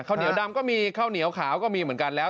เหนียวดำก็มีข้าวเหนียวขาวก็มีเหมือนกันแล้ว